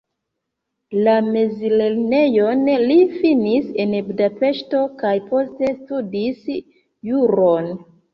La mezlernejon li finis en Budapeŝto kaj poste studis juron.